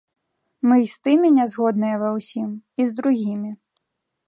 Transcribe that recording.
Мы і з тымі не згодныя ва ўсім, і з другімі.